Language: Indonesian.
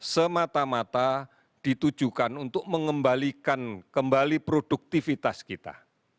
semata mata ditujukan untuk mengembalikan kembali produktivitas kita